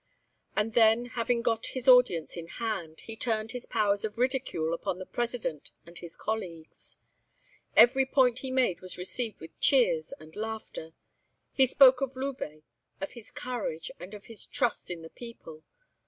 And then, having got his audience in hand, he turned his powers of ridicule upon the President and his colleagues. Every point he made was received with cheers and laughter. He spoke of Louvet, of his courage, and of his trust in the people.